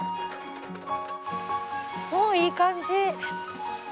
おおいい感じ！